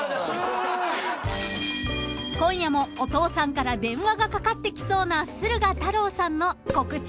［今夜もお父さんから電話がかかってきそうな駿河太郎さんの告知